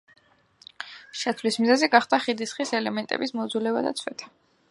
შეცვლის მიზეზი გახდა ხიდის ხის ელემენტების მოძველება და ცვეთა.